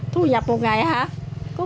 thu nhập một ngày hả có mười mấy ngàn